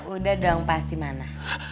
udah dong pasti mana